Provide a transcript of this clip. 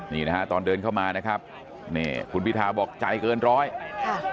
นี่นะฮะตอนเดินเข้ามานะครับนี่คุณพิทาบอกใจเกินร้อยค่ะ